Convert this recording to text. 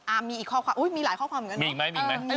อ่ะมีอีกข้อความอุ้ยมีหลายข้อความเหมือนกัน